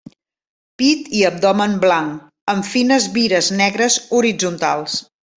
Pit i abdomen blanc amb fines vires negres horitzontals.